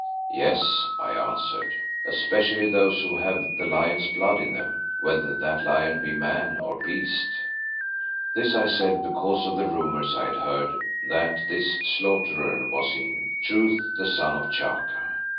"Yes," I answered, "especially those who have the lion's blood in them, whether that lion be man or beast." This I said because of the rumours I had heard that this Slaughterer was in truth the son of Chaka.